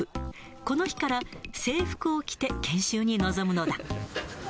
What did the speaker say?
この日から制服を着て研修に臨むのだ。